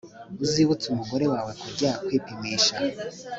Uzibutse umugore wawe kujya kwipimisha